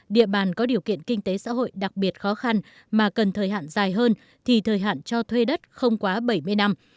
địa bàn có điều kiện kinh tế xã hội đặc biệt khó khăn mà cần thời hạn dài hơn thì thời hạn cho thuê đất không quá bảy mươi năm